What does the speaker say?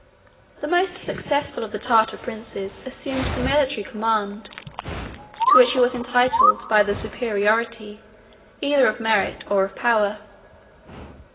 The most successful of the Tartar princes assumed the military command, to which he was entitled by the superiority, either of merit or of power.